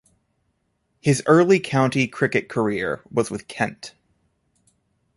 His early county cricket career was with Kent.